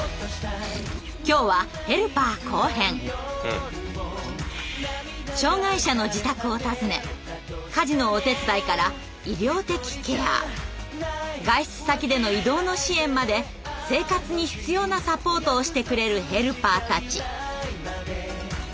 今日は障害者の自宅を訪ね家事のお手伝いから医療的ケア外出先での移動の支援まで生活に必要なサポートをしてくれるヘルパーたち。